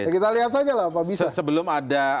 kita lihat saja lah pak bisa sebelum ada